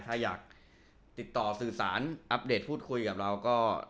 ถ้าอยากติดต่อสื่อสารอัปเดตพูดคุยกับเราก็